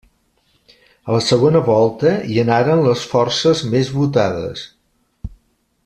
A la segona volta hi anaren les forces més votades.